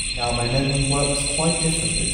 Now my memory works quite differently.